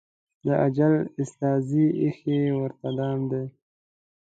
د اجل استازي ایښی ورته دام دی